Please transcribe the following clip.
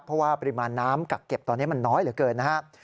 เพราะว่าปริมาณน้ำกักเก็บตอนนี้มันน้อยเหลือเกินนะครับ